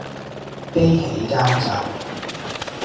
悲喜交集